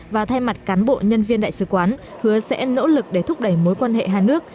và thay mặt cán bộ nhân viên đại sứ quán hứa sẽ nỗ lực để thúc đẩy mối quan hệ hai nước